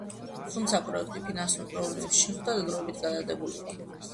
თუმცა, პროექტი ფინანსურ პრობლემებს შეხვდა და დროებით გადადებულიყო.